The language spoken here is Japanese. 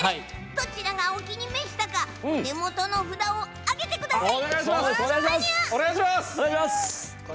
どちらがお気に召したかお手元の札をあげてください。